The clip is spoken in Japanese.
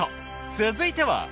続いては。